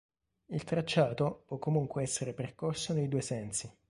Il tracciato può comunque essere percorso nei due sensi.